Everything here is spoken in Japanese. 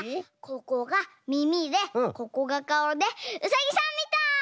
ここがみみでここがかおでうさぎさんみたい！